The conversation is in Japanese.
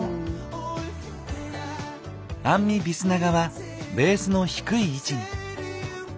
アンミ・ビスナガはベースの低い位置に。